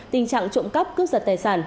tình trạng trộm cắp cướp giật tài sản